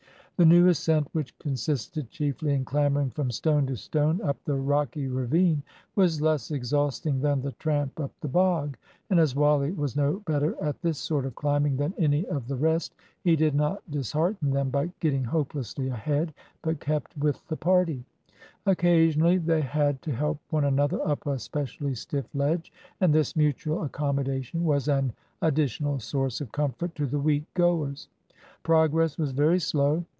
The new ascent, which consisted chiefly in clambering from stone to stone up the rocky ravine, was less exhausting than the tramp up the bog, and as Wally was no better at this sort of climbing than any of the rest, he did not dishearten them by getting hopelessly ahead, but kept with the party. Occasionally they had to help one another up a specially stiff ledge, and this mutual accommodation was an additional source of comfort to the weak goers. Progress was very slow.